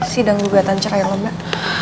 sidang gugatan cerai lemak